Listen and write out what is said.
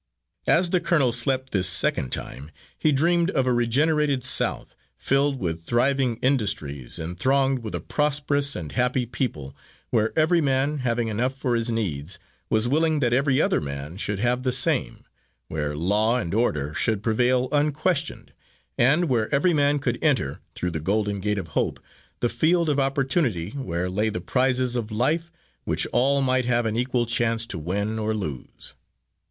As the colonel slept this second time, he dreamed of a regenerated South, filled with thriving industries, and thronged with a prosperous and happy people, where every man, having enough for his needs, was willing that every other man should have the same; where law and order should prevail unquestioned, and where every man could enter, through the golden gate of hope, the field of opportunity, where lay the prizes of life, which all might have an equal chance to win or lose.